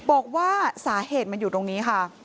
บอกว่าสาเหตุมันอยู่ตรงนี้ค่ะ